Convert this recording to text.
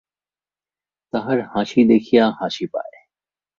তাহার হাসি দেখিয়া হাসি পায়!